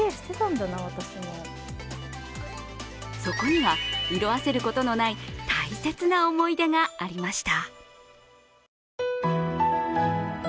そこには色あせることのない大切な思い出がありました。